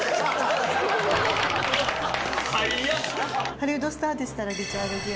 ハリウッドスターでしたらリチャード・ギア！